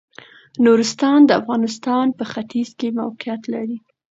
نورستان د افغانستان په ختيځ کې موقيعت لري.